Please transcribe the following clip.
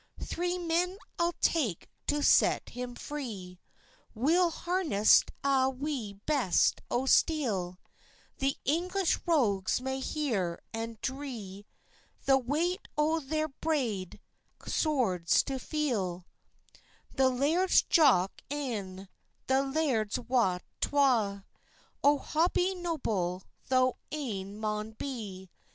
"Three men I'll take to set him free, Weel harnessd a' wi best of steel; The English rogues may hear, and drie The weight o their braid swords to feel "The Laird's Jock ane, the Laird's Wat twa, O Hobie Noble, thou ane maun be!